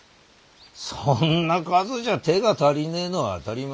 そんな数じゃ手が足りねえのは当たり前。